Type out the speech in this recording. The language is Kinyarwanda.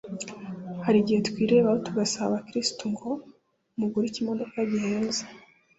Hari igihe twirebaho tugasaba ‘abakirisitu’ ngo ‘mugure ikimodoka gihenze